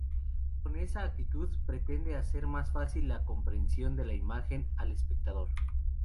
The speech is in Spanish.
Con esa actitud pretende hacer más fácil la comprensión de la imagen al espectador.